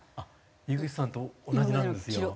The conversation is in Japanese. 井口さんと同じなんですよ。